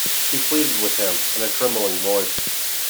She pleaded with him, in a trembling voice.